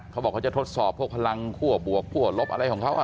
เขาบอกเขาจะทดสอบพวกพลังคั่วบวกคั่วลบอะไรของเขา